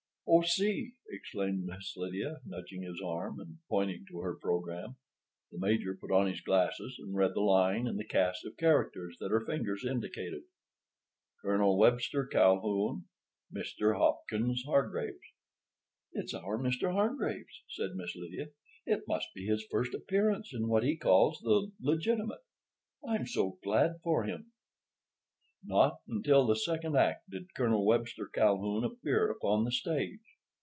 "Oh, see!" exclaimed Miss Lydia, nudging his arm, and pointing to her program. The Major put on his glasses and read the line in the cast of characters that her fingers indicated. Col. Webster Calhoun .... Mr. Hopkins Hargraves. "It's our Mr. Hargraves," said Miss Lydia. "It must be his first appearance in what he calls 'the legitimate.' I'm so glad for him." Not until the second act did Col. Webster Calhoun appear upon the stage.